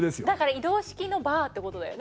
移動式のバーってことだよね。